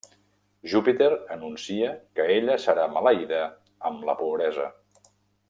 Júpiter anuncia que ella serà maleïda amb la pobresa.